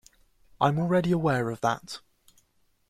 I’m already aware of that.